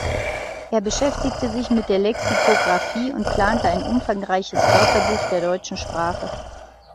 Er beschäftigte sich mit der Lexikographie und plante ein umfangreiches Wörterbuch der deutschen Sprache.